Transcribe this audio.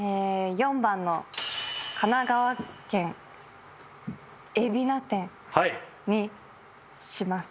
４番の神奈川県海老名店はいにします